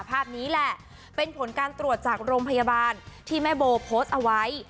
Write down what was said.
ภาพนี้แหละเป็นผลการตรวจจากโรงพยาบาลที่แม่โบโพสต์เอาไว้